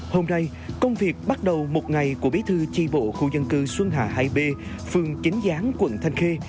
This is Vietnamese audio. hôm nay công việc bắt đầu một ngày của bí thư chi bộ khu dân cư xuân hà hai b phường chính gián quận thanh khê